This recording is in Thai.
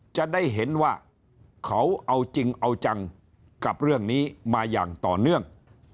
จะได้เห็นว่าเขาเอาจริงเอาจังกับเรื่องนี้มาอย่างต่อเนื่อง